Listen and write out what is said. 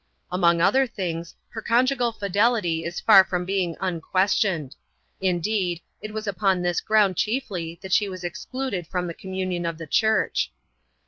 Among other things, her conjugal fidelity is far from being unquestioned. Indeed, it was upon this ground chiefly that she was excluded from the conmiunion of the Church.